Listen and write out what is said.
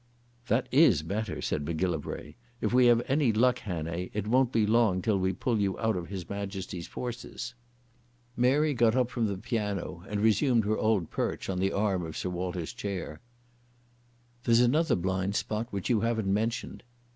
"That is better," said Macgillivray. "If we have any luck, Hannay, it won't be long till we pull you out of His Majesty's Forces." Mary got up from the piano and resumed her old perch on the arm of Sir Walter's chair. "There's another blind spot which you haven't mentioned."